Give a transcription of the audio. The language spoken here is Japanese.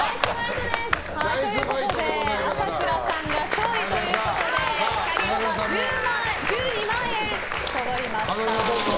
朝倉さんが勝利ということでキャリーオーバーは１２万円そろいました。